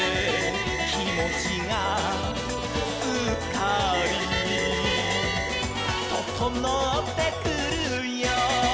「きもちがすっかり」「ととのってくるよ」